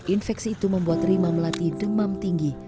infeksi itu membuat rima melati demam tinggi